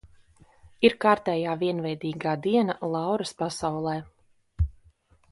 Ir kārtējā vienveidīgā diena Lauras pasaulē.